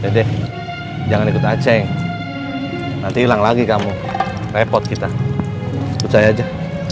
deh jangan ikut aceh nanti hilang lagi kamu repot kita percaya aja